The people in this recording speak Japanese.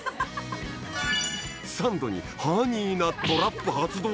サンドにハニーなトラップ発動？